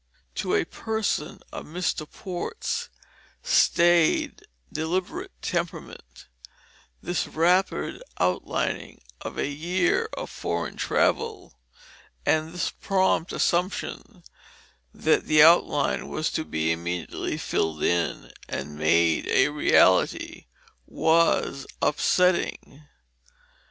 To a person of Mr. Port's staid, deliberate temperament this rapid outlining of a year of foreign travel, and this prompt assumption that the outline was to be immediately filled in and made a reality, was upsetting.